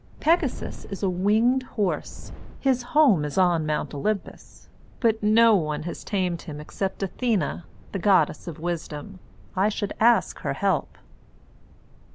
"Pegasus is a winged horse. His home is on Mount Olympus. But no one has tamed him except Athene, the goddess of wisdom. I should ask her help."